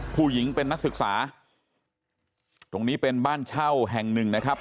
ผู้หญิงเป็นนักศึกษาตรงนี้เป็นบ้านเช่าแห่งหนึ่งนะครับ